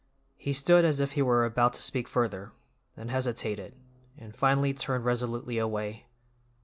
He stood as if he were about to speak further, then hesitated, and finally turned resolutely away.